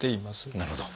なるほど。